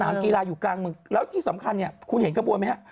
กีฬาอยู่กลางเมืองแล้วที่สำคัญเนี่ยคุณเห็นกระบวนไหมฮะ